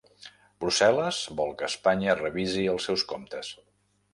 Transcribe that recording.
Brussel·les vol que Espanya revisi els seus comptes